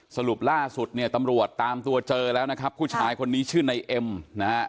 สรุปล่าสุดเนี่ยตำรวจตามตัวเจอแล้วนะครับผู้ชายคนนี้ชื่อในเอ็มนะฮะ